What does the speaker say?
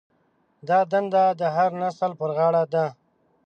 دا دنده د هر نسل پر غاړه ده.